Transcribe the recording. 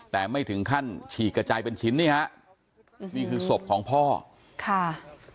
แต่ไม่ถึงขั้นฉีกกระจายเป็นชิ้นนี่ฮะนี่คือศพของพ่อค่ะ